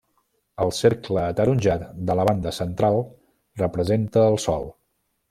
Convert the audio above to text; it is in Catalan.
El cercle ataronjat de la banda central representa el Sol.